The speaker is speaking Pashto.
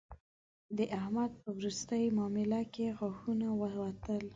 د احمد په روستۍ مامله کې غاښونه ووتل